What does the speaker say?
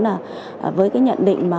là chúng tôi cũng rất mong muốn